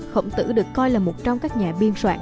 khổng tử được coi là một trong các nhà biên soạn